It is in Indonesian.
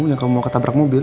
yang kamu mau ketabrak mobil